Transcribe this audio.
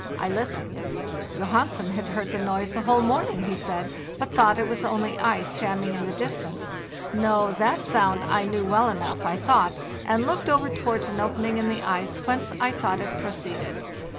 I listened. Johansen had heard the noise the whole morning, he said, but thought it was only ice Jamming in the distance. No, that sound I knew well enough, I thought, and looked over towards an opening in the ice whence I thought it proceeded.